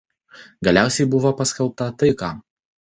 Galiausiai buvo paskelbta taika.